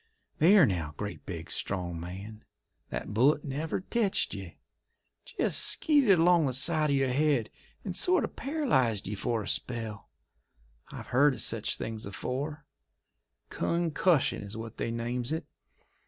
"There now, great, big, strong man! That bullet never tetched ye! Jest skeeted along the side of your head and sort of paralysed ye for a spell. I've heerd of sech things afore; cun cussion is what they names it.